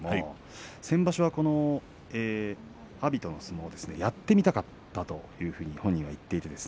先場所は阿炎との相撲やってみたかったと本人は言っていました。